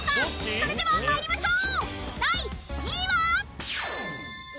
それでは参りましょう！］